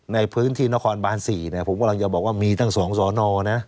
ในพื้นที่นครบาน๔ผมกำลังจะบอกว่ามีทั้ง๒สอนอนะ